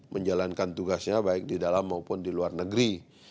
menjalankan tugasnya baik di dalam maupun di luar negeri